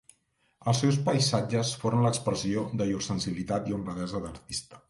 Els seus paisatges foren l'expressió de llur sensibilitat i honradesa d'artista.